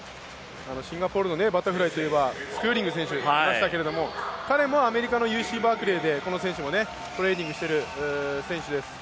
シンガポールのバタフライといえばスクーリング選手がいましたが彼もアメリカのユーシーバークレーでトレーニングしている選手です。